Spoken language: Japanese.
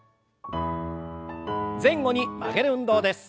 前後に曲げる運動です。